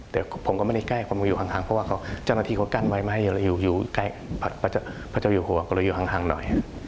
แต่ผมก็ไม่ได้ใกล้ความมืออยู่ห่างเพราะว่าเจ้าหน้าที่เขากั้นไว้ไม่ให้อยู่ใกล้พระเจ้าอยู่หัวก็เลยอยู่ห่างหน่อย